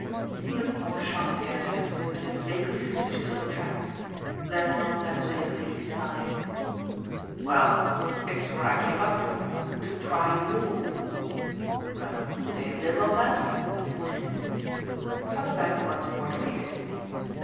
He looked more sharply at his host, as if vaguely suspicious of a trap; then not less vaguely he sighed. "Well, it's what I came up for to try you all. But do they live on that?" he continued. Vanderbank once more debated.